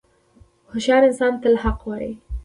• هوښیار انسان تل حق وایی.